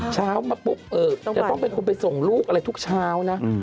เช้ามาปุ๊บจะต้องเป็นคนไปส่งลูกอะไรทุกเช้านะ